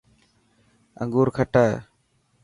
انوگور کٽا هي.